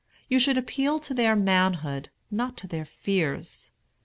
You should appeal to their manhood, not to their fears.